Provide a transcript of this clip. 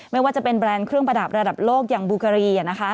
ไม่ว่าจะเป็นแบรนด์เครื่องประดับระดับโลกอย่างบูการี